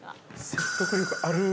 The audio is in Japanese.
◆説得力あるー。